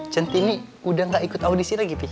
centini udah nggak ikut audisi lagi pi